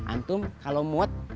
antum kalau mud